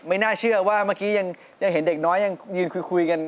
น่าเชื่อว่าเมื่อกี้ยังเห็นเด็กน้อยยังยืนคุยกัน